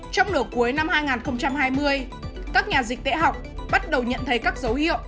trong nửa cuối năm hai nghìn hai mươi các nhà dịch tễ học bắt đầu nhận thấy các dấu hiệu